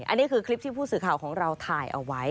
อันนี้คือคลิปที่ผู้สื่อข่าวของเราถ่ายเอาไว้